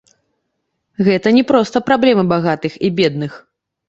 Гэта не проста праблема багатых і бедных.